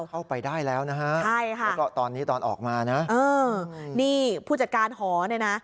เข้าไปได้แล้วนะฮะใช่ค่ะแล้วก็ตอนนี้ตอนออกมานะเออนี่ผู้จัดการหอเนี่ยนะ